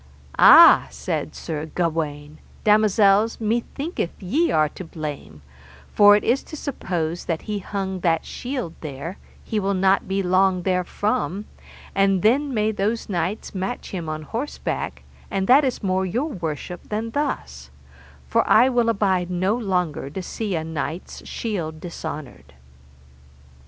Ah! said Sir Gawaine, damosels, methinketh ye are to blame, for it is to suppose, he that hung that shield there, he will not be long therefrom, and then may those knights match him on horseback, and that is more your worship than thus; for I will abide no longer to see a knight's shield dishonoured.